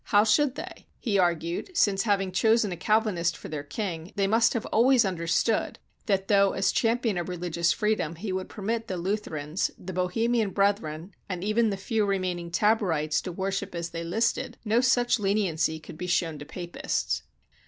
How should they? he argued, since, having chosen a Calvinist for their king, they must have always under stood that, though as champion of religious freedom he would permit the Lutherans, the Bohemian Brethren, and even the few remaining Taborites to worship as they listed, no such leniency could be shown to Papists.